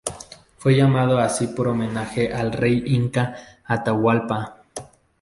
Fue llamado así por homenaje al rey inca Atahualpa.